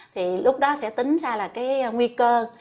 thì lúc đó sẽ tính ra là cái nguy cơ